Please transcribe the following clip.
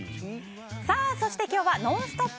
そして今日は「ノンストップ！」